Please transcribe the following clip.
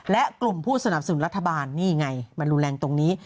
และกลุ่มผู้สนับสนุนรัฐบาลนี่ไงมันรุนแรงตรงนี้